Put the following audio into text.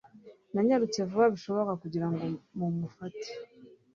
Nanyarutse vuba bishoboka kugira ngo mumufate.